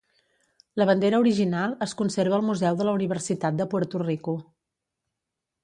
La bandera original es conserva al Museu de la Universitat de Puerto Rico.